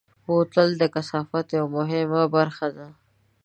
بوتل د کثافاتو یوه مهمه برخه ده.